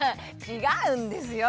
違うんですよ。